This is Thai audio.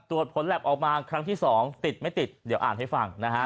ผลแล็บออกมาครั้งที่๒ติดไม่ติดเดี๋ยวอ่านให้ฟังนะฮะ